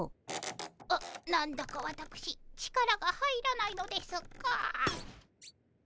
な何だかわたくし力が入らないのですが。